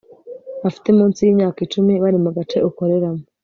bafite munsi y'imyaka icumi bari mu gace ukoreramo